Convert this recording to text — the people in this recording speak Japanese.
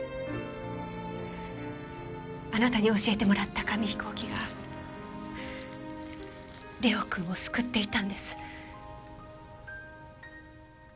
あなたに教えてもらった紙飛行機が玲央君を救っていたんです。